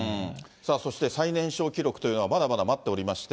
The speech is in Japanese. そして最年少記録というのは、まだまだ待っておりまして。